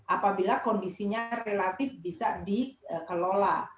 apabila kondisinya relatif bisa dikelola